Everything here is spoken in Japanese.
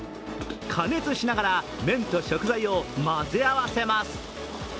加熱しながら麺と食材を混ぜ合わせます。